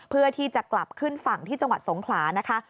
เพื่อที่จะกลับขึ้นฝั่งที่จังหวัดสงขลานะคะ